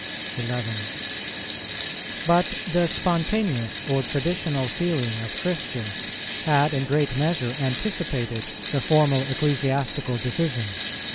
11. But the spontaneous or traditional feeling of Christians had in great measure anticipated the formal ecclesiastical decision.